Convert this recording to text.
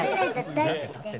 大好きで。